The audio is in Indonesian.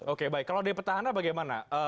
oke baik kalau dari petahana bagaimana